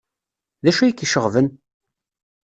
D acu ay k-iceɣben?